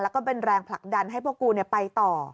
แล้วก็เป็นแรงผลักดันให้พวกกูไปต่อ